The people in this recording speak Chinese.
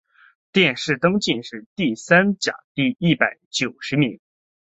殿试登进士第三甲第一百九十名。